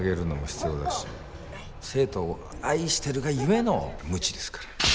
生徒を愛してるがゆえのムチですから。